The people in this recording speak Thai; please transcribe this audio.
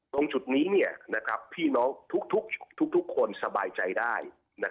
ตรงจุดนี้พี่น้องทุกคนสบายใจได้